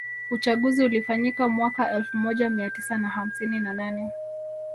Uchaguzi ulifanyika mwaka elfu moja Mia tisa na hamsini na nane